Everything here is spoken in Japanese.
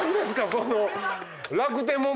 その。